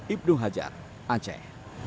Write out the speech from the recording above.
ibnu hajar aceh